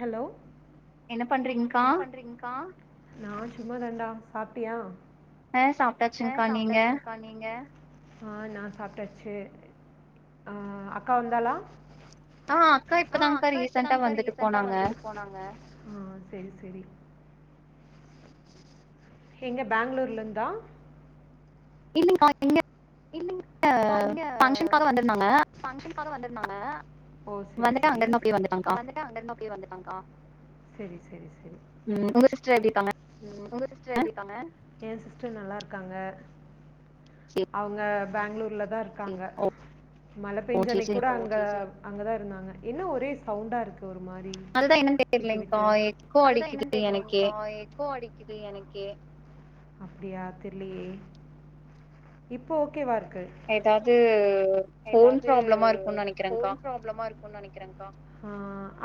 Hello என்ன பண்றீங்க்கா நான் சும்மா தண்டா சாப்ட்டியா அ சாப்ட்டாச்சுங்க்கா நீங்க அ நா சாப்ட்டாச்சு அ அக்கா வந்தாளா ஆ அக்கா இப்பதாங்க்கா ரீசன்ட்டா வந்துட்டு போனாங்க இ செரி ஹெங்க பேங்ளூர்லந்தா இல்லைங்காய் இல்லிங் ஹா இங்க ஃபங்ஷன் கார வந்துருந்தாங்க ஓ செரி செரி வந்துட்டு அங்கருந்து அப்டியே வந்துட்டங் கா செரி செரி செரி ம் உங்க சிஸ் ஸ்டர் எப்டிக்காங்க என் சிஸ்டர் நல்லாருக்காங்க அவுங்க பேங்ளூர்லதா இர் க்காங்க மலப்பேஞ்சன்னிக்கூட [unintelligible] அங்க அங்கதா இருந்தாங்க என்ன ஒரே சவுண்டா இருக்கு ஒரு மாரி விட்டு விட்டு அதுதா என்னன் தெர்லைங்க்கா எக்கோ அடி து எனக்கே அப்டியா தெர்லுயே இப்போ ஓகே வார் எதாவ்து ஃபோன் ப்ராப்ளமா இருக்கு நனக்கிறங்கா கிறங்கா ஆ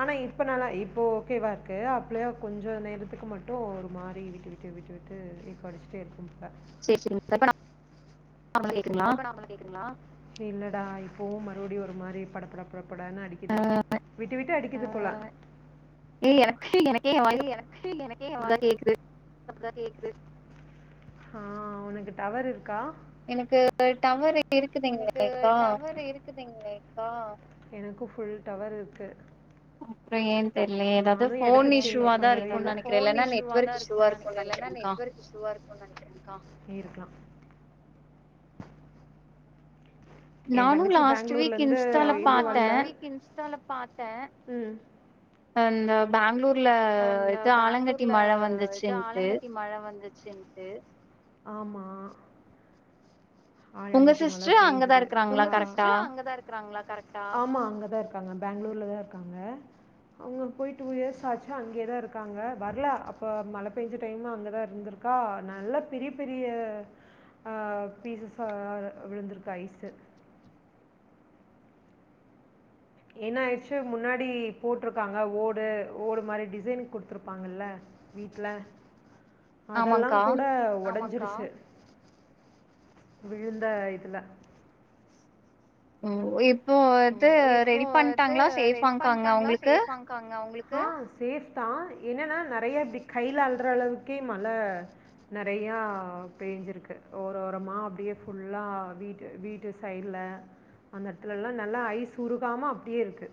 ஆனா இப்ப நல்லா இப்போ ஓகேவார்க்கு அப்லயா கொஞ்ச நேருத்துக்கு மட்டு ஒரு மாறி விட்டு விட்டு விட்டு விட்டு எ க் கோ அடுச்சுட்டே இருக்கு [inaudible] [inaudible] இல்லடா இ போவு மறுவுடி ஒரு மாரி படபடப்டப் படா அடிக்குது விட்டு விட்டு அடி இது போலா ஏய் எனக்கு எனக்கே எ வாய்ஸ்ஸா கேக்குது ஆஹ் உனக்கு டவர் இருக்கா எனக்கு டவறு இருக்குதுங்கேளாக்கா எனக்கு புல் டவர் இருக்கு [unintelligible] ஃபோன் இஷீவா தா இருக்கு நெனைக்கிறே இல்ல நெட்வொர்க் இஷீவா இருக்கு நெனைக்கிறேக்கா என் தங்கச்சி பெங்களூர்ல இருந்து வந்ந நானு இன்ஸ்டால பாத்த உம் க்குல்ல எது ஆலங்கட்டி மழ வந்துச்சின்ட்டு செண்டு ஆலங்கட்டி மழை பேஞ்சுது ஆமா அங்கதா இருக் ங்க பெங்களூர்ல தா இருக்காங்க அவுங்க போய்ட்டு டூ இயர்ஸ் ஆச்சு ல்லா அங்கேயேதா இருக்காங்க வர்ல அப்ப மழை பெய்ஞ்ச டைம்ல அங்கதா இருந்திருக்கா நல்ல பெரிய பெரிய ஆஹ் பீசஸா விழுந்திருக்க ஐஸ்சு என்ன ஆயிடுச்சு முன்னாடி போட்டிருக்காங்க ஓடு ஓடு மாதிரி டிசைன் குடுத்துருப்பாங்கல்ல வீட்டு்ல அதெல்லா கூட ஒடைஞ்ருச்சி விழுந்தா இதுல உம் இப் ஓ இப்போ இது ரெடி பண்ட்டாங்களா சேஃபாங்க்கா அங்க அவுங்களுக்கு என்னன்னா நெறைய இப்டி கைல அள்ளுற அளவுக்கே மழ நெறையா பெஞ்சிருக்கு ஒர ஒரமா அப்டியே ஃபுல்லா வீட்டு வீட்டு சைட்ல அந்த இடத்துலல்லா நல்லா ஐஸ் உருகாம அப்டியே இருக்கு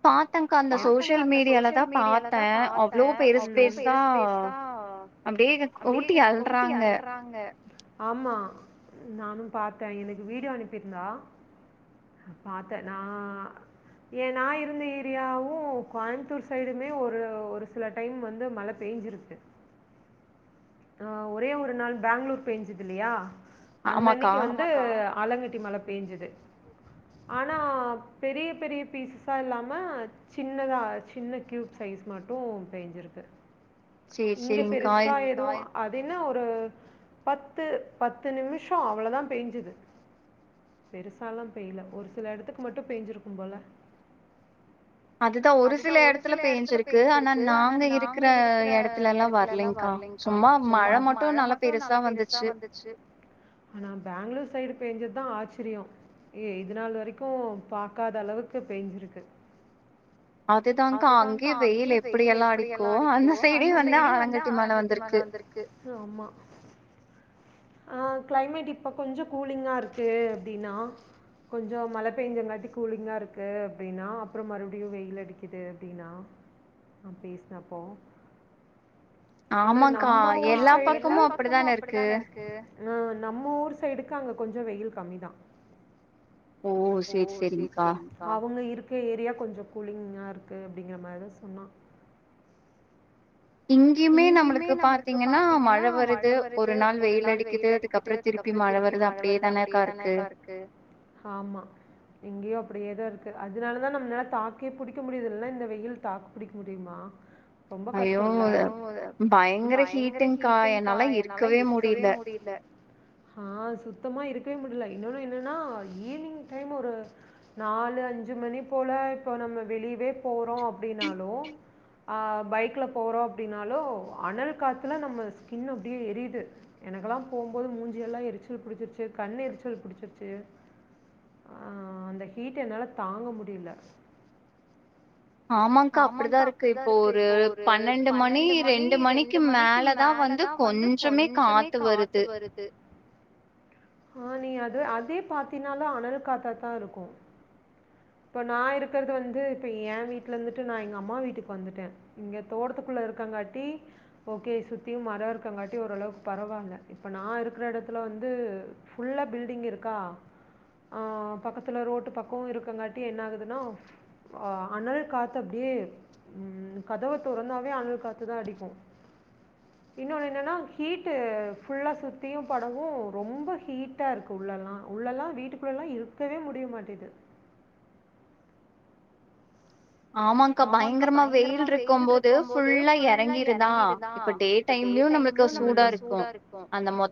ஏ ம் ஆமா நானு பாத்தே எனக்கு வீடியோ அனுப்பிருந்தா பாத்தே நா ஏ நா இருந்த ஏரியாவு கோயம்புத்தூர் சைடுமே ஒரு ஒரு சில டைம் வந்து மழ பெஞ்சிருக்கு ஆ ஒரே ஒரு நாள் பேங்ளூர் பேஞ்சது இல்லையா அந்த அன்னக்கி வந்து ஆலங்கட் டி மழ பேஞ்சது ஆனா பெரிய பெரிய பீசஸா இல்லா ம சின்னதா சின்ன க்யூப் சைஸ் மட்டு பேஞ்சிருக்கு இங்க பெருசா எதுவு அதென்னா ஒரு பத்து பத்து நிமிஷோ அவ்வளதா பேஞ்சுது பெருசால்லா பெய்யல ஒரு சில எடத்துக்கு மட்டு பேஞ்சிருக்கும் போல ஆனா பேங்களூர் சைடு பேஞ்சதுதா ஆச்சரியோ ஏ இது நாள் வரைக்கு பாக்காத அளவுக்கு பேஞ்சிருக்கு அதுதாங்க்கா அங்கயே வெயில் எப்டியெல்லா அடிக்கு அந்த சைடே வந்து ஆலங்கட்டி மழ வந்துருக்கு. ஆமா ஆ கிளைமேட் இப்ப கொஞ்சோ கூலிங்கா இருக்கு அப்டின்னா கொஞ்சோ மழ பேஞ்சங்காட்டி கூலிங்கா இருக்கு அப்டின்னா அப்புறம் மறுபடியும் வெயில் அடிக்குது அப்படின்னா நான் பேசினப்போ ஆனா நம்ம ஊரு சைடுக்கு பக்கமும் அப்படித்தான இருக்கு நம்ம ஊரு சைடுக்கு அங்க கொஞ்சோ வெயில் கம்மிதான் ஓ செரி செரிங்கா அவங்க இரு உங்க ஏரியா கொஞ்சோ கூலிங்கா இருக்கு அப்படிங்கிற மாதிரிதான் சொன்ன இங்கயுமே நம்மளுக்கு பாத்தீங்கன்னா மழ வருது ஒரு நாள் வெயில் அடிக்குது அதுக்கு அப்புறம் திருப்பி மழ வருது அப்படியே தானேக்கா இருக்கு ஆமா இங்கயும் அப்படியே தான் இருக்கு அதனாலதான் நம்மளால தாக்கியே புடிக்க முடியுதுலல்லா இந்த வெயில் தாக்கு புடிக்க முடியுமா ரொம்ப கஷ்டோல பயங்கர ஹீட்டுங்கா என்னால இருக்கவே முடியல ஆஹ் சுத்தம் சும்மா இருக்கவே முடியல இன்னொன்னு என்னன்னா ஈவினிங் டைம் ஒரு நாலு அஞ்சு மணி போல இப்ப நம்ம வெளியவே போறோம் அப்டினாலும் ஆஹ் பைக்கில போறோம் அப்டின்னாலோ அனல் காத்துல நம்ம ஸ்கின் அப்டியே எரிது எனக்கெல்லா போம்போது மூஞ்சியெல்லா எரிச்சல் புடிச்சிருச்சு கண் எரிச்சல் புடிச்சிருச்சு ஆஹ் அந்த ஹீட் என்னால தாங்க முடியல ஆமாங்கா அப்டிதா இருக்கு இப்போ ஒரு பன்னெண்டு பன்னெண்டு மணி ரெண்டு மணிக்கு மேலதா வந்து கொஞ்சமே காத்து வருது ஆஹ் நீ அது அதே பாத்தினாலோ அனல் காத்த தா இருக்கூ இப்ப நா இருக்கறது வந்து இப்ப என் வீட்டுல இருந்துட்டு நா எங்க அம்மா வீட்டுக்கு வந்துட்டேன் இங்க தோட்டத்து குள்ள இருக்கங்காட்டி ஓகே சுத்தியு மர இருக்கங்காட்டி ஓரளவுக்கு பரவால இப்ப நா இருக்கிற இடத்துல வந்து ஃபுல்லா பில்டிங் இருக்கா ஆஹ் பக்கத்துல ரோட்டு பக்கோ இருக்கங்காட்டி என்னகுதுன்னா அனல் காத்து அப்படியே உம் கதவ தொறந்தா இங்கையு அனல் காத்துதா அடிக்கு இன்னொன்னு என்னன்னா ஹீட் புல்லா சுத்தியு படவு ரொம்ப ஹீட்டா இருக்கு உள்ளெல்லா உள்ளெல்லா வீட்டுக்குள்ள எல்லா இருக்கவே முடிய மாட்டேது ஆமாங்கா பயங்கரமா வெயில் இருக்கும் போது புல்லா இறங்கிருதா இப்ப டே டைம்லயு நமக்கு சூடா இருக்கு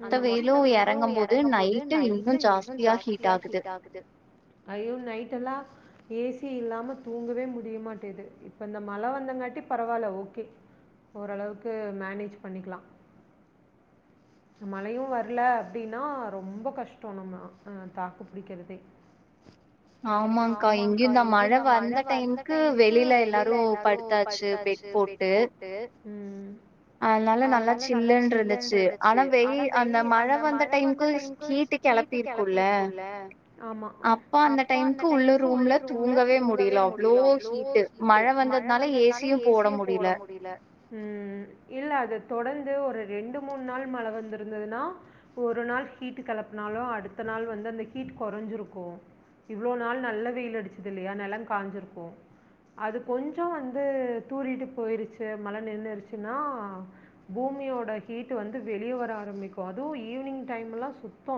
அந்த மொத்த வெயிலு இறங்கு போது நைட்டு இன்னு ஜாஸ்தியா ஹீட் ஆகுது அய்யோ நைட்டெல்லா ஏசி இல்லாம தூங்கவே முடியுமாட் இது இப்ப இந்த மழ வந்தங்காட்டி பரவாயில்ல ஓகே ஓரளவுக்கு மேனேஜ் பண்ணிக்கலா மழையு வரல அப்படின்னா ரொம்ப கஷ்டோ நம்ம ஆஹ் தாக்கு புடிக்கறதே ஆமாங்கா இங்கேயு தா மழ வந்த டைமுக்கு வெளியில எல்லாரு படுத்தாச்சு பெட் போட்டு உம் அதனால நல்லா சில்லுனு இருந்துச்சு செரி ஆனா வெய் அந்த மழை வந்த டைமுக்கு ஹீட் கிளப்பிருக்கும்ல்ல ஆமா அப்ப அந்த டைமுக்கு உள்ள ரூம்ல தூங்கவே முடியல அவ்ளோ ஹீட்டு மழை வந்ததுனால ஏசியும் போட முடியல உம் இல்ல அது தொடர்ந்து ஒரு ரெண்டு மூணு இத்தன் நாள் மழ வந்திருந்ததின்னா ஒரு நாள் ஹீட் கெளப்புனாலு அடுத்த நாள் வந்து அந்த ஹீட் கொறஞ்சிருக்கூ இவ்ளோ நாள் நல்ல வெயில் அடிச்சிது இல்லையா நெழல் காஞ்சிருக்கூ அது கொஞ்சோ வந்து தூறிட்டு போயிருச்சு மழ நின்னுருச்சின்னா பூமியோட ஹீட் ஹீட்டு வந்து வெளியே வர ஆரம்பிக்கூ அதுவூ ஈவினிங் டைம்லா சுத்தோ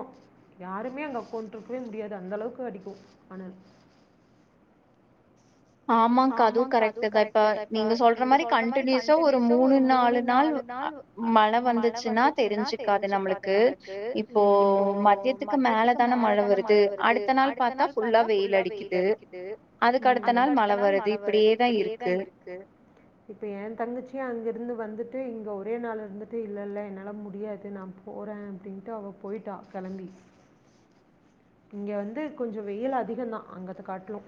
யாருமே அங்க உக்கான்ட்டு இருக்கவே முடியாது அந்த அளவுக்கு அடிக்கூ அனல் ஆமாங்க்கா அதுவூ கரெக்ட் தா இப்ப நீங்க சொல்ற மாரி கண்டின்யூஸா ஒரு மூணு நாலு நாள் அ மழ வந்துச்சுன்னா தெரிஞ்சிக்காது நம்ளுக்கு ம் இப்போ மத்தியத்திக்கு மேலதானே மழ வருது அடுத்த நாள் பாத்தா ஃபுல்லா வெயில் அடிக்குது உம் அதுக்கடுத் இத்தன் நாள் மழ வருது இப்டியேதா இருக்கு இப்ப என் தங்கச்சியூ அங்க இருந்து வந்து இருந்துட்டு இங்க ஒரே நாள் இருந்துட்டு இல்லல்ல என்னால முடியாது நான் போறேன் அப்படின்ட்டு அவ போயிட்டா கெளம்பி இங்க வந்து கொஞ்சோ வெயில் அதிகம் தான் அங்கது காட்டிலும்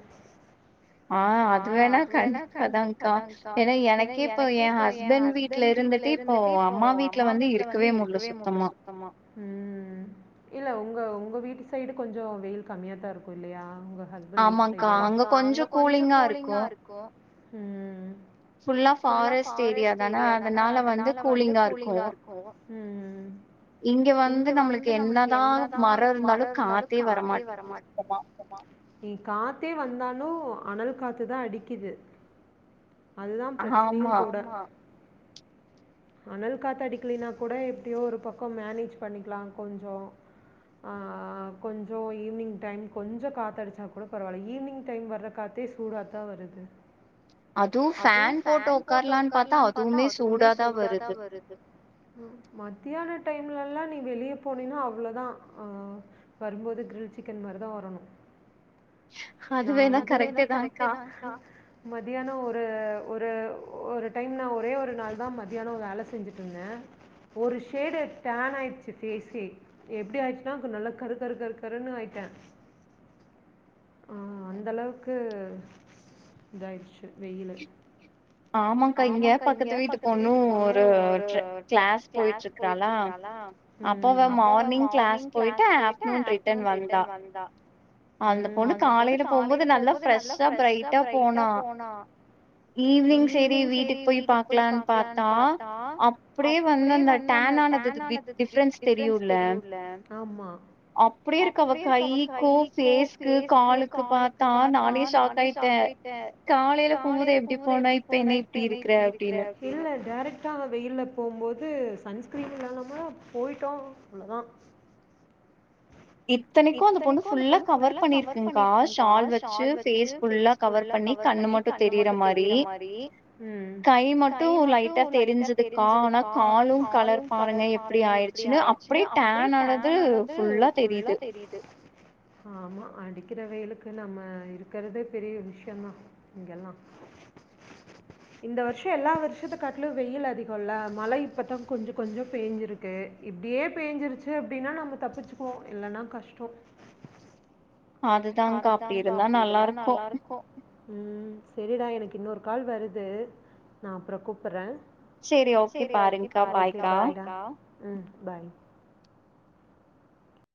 ஆ அது வேணா கண்டிப்பாதான்கா ஏன்னா எனக்கே இப்போ என் ஹஸ்பண்ட் வீட்ல இருந்துட்டு இப்போ அம்மா வீட்ல வந்து இருக்கவே முடியல சுத்தமா ம் இல்ல உங்க உங்க வீட்டு சைடு கொஞ்சம் வெயில் கம்மியா தான் இருக்கும் இல்லையா உங்க ஹஸ்பண்ட் வீட் சைடு ஆமாங்கா அங்க கொஞ்சம் கூலிங்கா இருக்கு உம் ஃபுல்லா ஃபாரஸ்ட் ஏரியா தான அதனால வந்து கூலிங்காயிருக்கு உம் இங்கே வந்து நம்ளுக்கு என்னதா மரோ இருந்தாலு காத்தே வரமாட்டது சுத்தமா இ காத்தே வந்தாலு அனல் [unintelligible] காத்துதா அடிக்கிது அதுதா பிரச்னையு கூட ஆமா அனல் காத்தடிக்லேனா கூட எப்டியோ ஒரு பக்கோ மனேஜ் பண்ணிக்லா கொஞ்சு ஆ கொஞ்சு ஈவ்னிங் டைம் கொஞ்சு காத்தடிச்சா கூட பரவால ஈவ்னிங் டைம் வர்ரக் காத் மே சூடாத்த வருது அதுவு ஃபேன் போட்டு ஒக்கர்லான் பாத்தா அதுவுமே சூடாதா வருது மத்யான டைம்லல்லா நீ வெளிய போனீனா அவ்ளோதா ஆ வரும்போது கிர்ல் சிக்கன் மாரிதா வரனு அதுவேனா கரெக்டிவ் கரெக்ட்தாங்க்கா மதியானோ ஒரு ஒரு ஒரு டைம் ந ஒரே ஒரு நாள் தா மத்யானோ வேல செஞ்ஜிட்ருந்த ஒரு ஷேடு ட்டேன் ஆயிடுச்சு ஃபேஸே எப்டி ஆச்சுனா நல்ல கரு கரு கரு கரு னு ஆயிட்ட [inaudible] ஆ அந்தளவுக்கு [unintelligible] தய்ச் [unintelligible] வெயிலு ஆமங்க்கா இங்கே பக்கத்து வீட்டு பொண்ணு ஒரு ற்ற க்ளாஸ் போயிட்ருக்றாளா உம் அப்ப அவ மார்னிங் க்ளாஸ் போயிட்டு அப்ட்நூன் ரிட்டன் வந்தா உம் அந்த பொண்ணு காலைல போம்போது நல்லா ஃப்ரெஷ்ஷா பிரைட்டா போனா ஈவ்னிங் சேரி வீட்டுக் போய் பாக்லானு பாத்தா அப்டியே வந்தந்த டேனானது து டிஃ டிஃப்ரெண்ஸ் தெரியுல்ல ஆம்மா அப்டியே இருக்கு அவ கையிக்கூ ஃபேஸ்க்கு காலுக் த்தா நானே ஷாக் ஆய்ட்டே காலைல போம்போது எப்டிப் போது எப்டி போன இப்ப என்ன இப்டி இருக்ற இல்ல டைரக்ட்ட அவ வெயில்ல போம் போது சன்ஸ்கிரீன் இல்லலாம போய்ட்டோ அவ்ளதா இத்தனைக்கு அந்த பொண்ணு ஃபுல்லா கவர் பண்ணியிற்குங்காஷ் கா ஷால் வெச்சு ஃபேஸ் ஃபுல்லா கவர் பண்ணி கண்ணு மட்டு தெரியிற மாரி உம் கை மட்டு லைட்டா தெரிஞ்சதுக்கா ஆனா காலும் கலர் பாருங்க எப்டி ஆயிர்ச்சுனு அப்டியே டேன்னானது ஃபுல்லா தெரியிது [inaudible] ஆமா அடி இக்கிற வெயிலுக்கு க்கு நம்ம இருக்றதே பெரிய விஷ்யொதா இங்கெல்லா இந்த வர்ஷோ எல்லா வருஷத்த காட்லு வெயில் அதிகொல்ல மழ இப்பதா கொஞ்ச கொஞ்ச பெஞ்சிருக்கு இப்டியே பேஞ்சிர்ச்சு அப்டின்னா நம்ம தப்பிச்சுப்போ இல்லன்னா கஷ்டோ அதுதாங்க்கா அப்டி இருந்தா நல்லார்க்கொ ம் சேரிடா எனக்கு இன்னொர் கால் வருது நா அப்றோ கூப்பட்ற சேரி ஓகே பாருங்க்கா பாய்க்கா ஓகே பாய்டா உம் பாய்